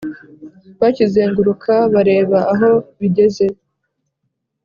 bakizenguruka bareba aho bigeze